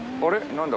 何だ？